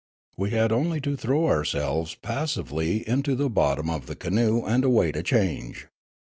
We had only to throw ourselves passively into the bottom of the canoe and await a change.